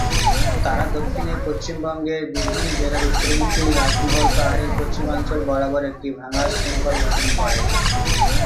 তারা দক্ষিণে পশ্চিমবঙ্গের বীরভূম জেলার উত্তরমুখী রাজমহল পাহাড়ের পশ্চিমাঞ্চল বরাবর একটি ভাঙা শৃঙ্খল গঠন করে।